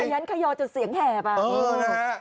เพราะฉะนั้นเขยอจุดเสียงแหบอะ